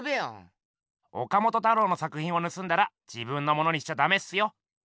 岡本太郎の作品をぬすんだら自分のものにしちゃダメっすよ。